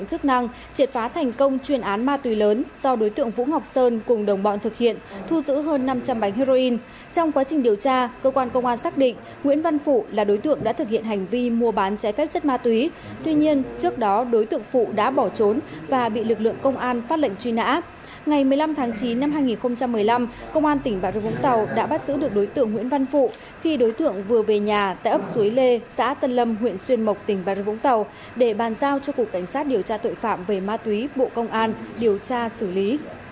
ngày một mươi năm tháng chín năm hai nghìn một mươi năm công an tỉnh bà rưu vũng tàu đã bắt giữ được đối tượng nguyễn văn phụ khi đối tượng vừa về nhà tại ấp suối lê xã tân lâm huyện xuyên mộc tỉnh bà rưu vũng tàu để bàn giao cho cục cảnh sát điều tra tội phạm về ma túy bộ công an điều tra xử lý